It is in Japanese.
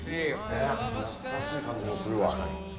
懐かしい感じもするわ。